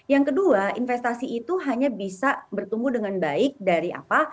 yang kedua investasi itu hanya bisa bertumbuh dengan baik dari apa